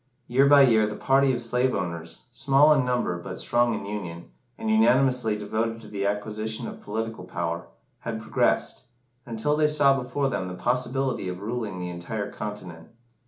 Year by year the party of slave owners small in number but strong in union, and unanimously devoted to the acquisition of political power had progressed, until they saw before them the possibility of ruling the entire continent.